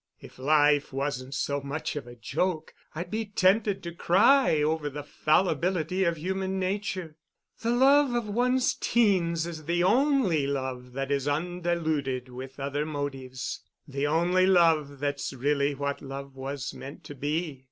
If life wasn't so much of a joke, I'd be tempted to cry over the fallibility of human nature. The love of one's teens is the only love that is undiluted with other motives—the only love that's really what love was meant to be.